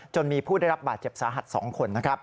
จนมีผู้ได้รับบาดเจ็บสาหัส๒คน